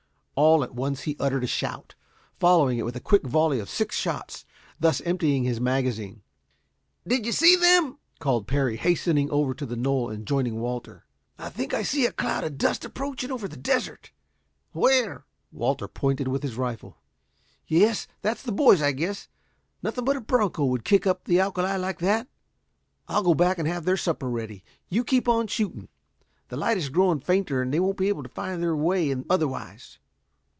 All at once he uttered a shout, following it with a quick volley of six shots, thus emptying his magazine. "Do you see them!" called Parry, hastening over to the knoll, and joining Walter. "I think I see a cloud of dust approaching over the desert," he made reply. "Where?" Walter pointed with his rifle. "Yes, that's the boys, I guess. Nothing but a broncho could kick up the alkali like that. I'll go back and have their supper ready. You keep on shooting. The light is growing fainter and they won't be able to find their way in otherwise."